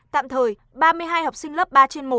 tạm thời ba mươi hai học sinh lớp ba trên một